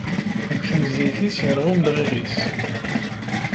Deg tnezzayt-is, yerɣa umelɣiɣ-is.